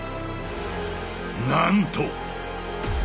なんと！